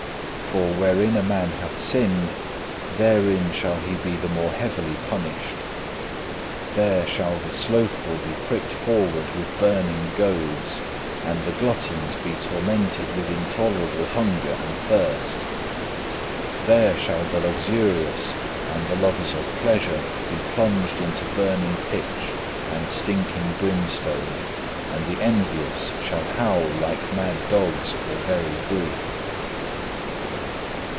For wherein a man hath sinned, therein shall he be the more heavily punished. There shall the slothful be pricked forward with burning goads, and the gluttons be tormented with intolerable hunger and thirst. There shall the luxurious and the lovers of pleasure be plunged into burning pitch and stinking brimstone, and the envious shall howl like mad dogs for very grief.